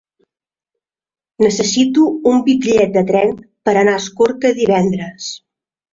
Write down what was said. Necessito un bitllet de tren per anar a Escorca divendres.